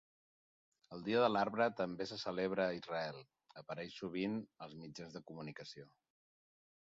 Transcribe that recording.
El Dia de l'Arbre també se celebra a Israel, apareix sovint als mitjans de comunicació.